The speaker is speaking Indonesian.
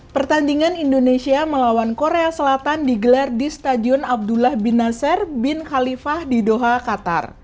pertandingan indonesia melawan korea selatan digelar di stadion abdullah bin naser bin khalifah di doha qatar